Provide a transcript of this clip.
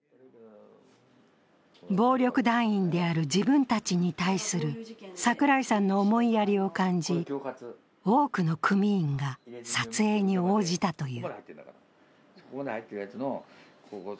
暴力団員である自分たちに対する櫻井さんの思いやりを感じ、多くの組員が撮影に応じたという。